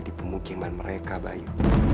di pemukiman mereka bayu